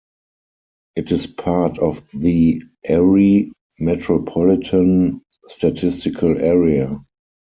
It is part of the Erie Metropolitan Statistical Area.